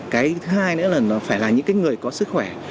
cái thứ hai nữa là nó phải là những cái người có sức khỏe